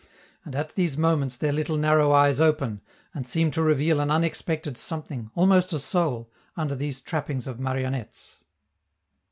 And at these moments their little narrow eyes open, and seem to reveal an unexpected something, almost a soul, under these trappings of marionettes.